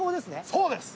そうです！